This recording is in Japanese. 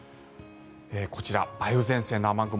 こちら梅雨前線の雨雲